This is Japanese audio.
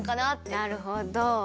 なるほど。